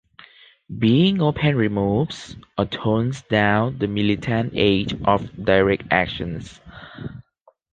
Being open removes or tones down the militant edge of direct actions.